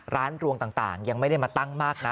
รวงต่างยังไม่ได้มาตั้งมากนะ